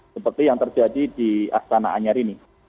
seperti yang terjadi di astana anyar ini